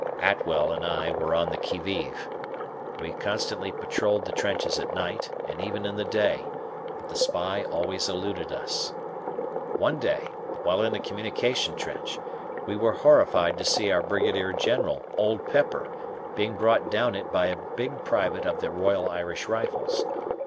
Atwell and I were on the QUI VIVE. We constantly patrolled the trenches at night, and even in the day, but the spy always eluded us. One day, while in a communication trench, we were horrified to see our Brigadier General, Old Pepper, being brought down it by a big private of the Royal Irish Rifles.